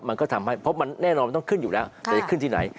เพราะมันแน่นอนต้องขึ้นอยู่แล้วแต่จะขึ้นที่ไหน